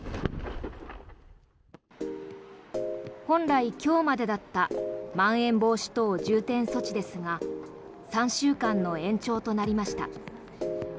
本来、今日までだったまん延防止等重点措置ですが３週間の延長となりました。